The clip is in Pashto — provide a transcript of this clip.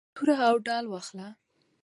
توره او ډال واخله.